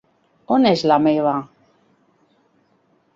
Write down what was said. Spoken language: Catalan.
On és la meva?